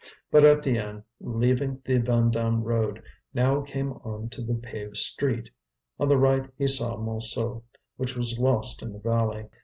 But Étienne, leaving the Vandame road, now came on to the paved street. On the right he saw Montsou, which was lost in the valley.